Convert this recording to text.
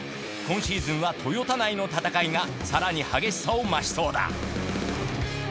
今シーズンはトヨタ内の戦いが更に激しさを増しそうだ。